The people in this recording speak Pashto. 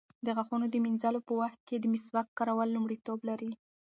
د غاښونو د مینځلو په وخت کې د مسواک کارول لومړیتوب لري.